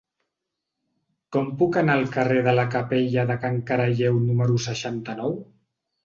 Com puc anar al carrer de la Capella de Can Caralleu número seixanta-nou?